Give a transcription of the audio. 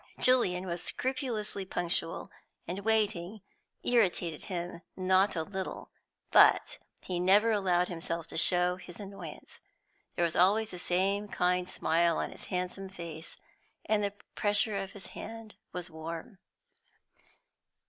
Julian was scrupulously punctual, and waiting irritated him not a little, but he never allowed himself to show his annoyance. There was always the same kind smile on his handsome face, and the pressure of his hand was warm.